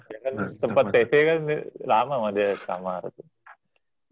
ya kan tempat tv kan lama mah dia di kamar tuh